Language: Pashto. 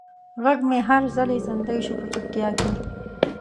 غږ مې هر ځلې زندۍ شو په چوپتیا کې